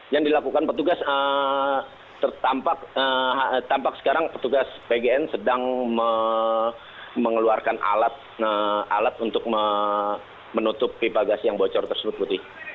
yang dilakukan petugas tampak sekarang petugas pgn sedang mengeluarkan alat untuk menutup pipa gas yang bocor tersebut putri